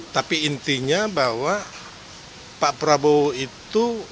tapi intinya bahwa pak prabowo itu